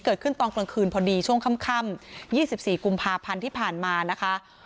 เกิดขึ้นตอนกลางคืนพอดีช่วงค่ำ๒๔กุมภาพันธ์ที่ผ่านมานะคะ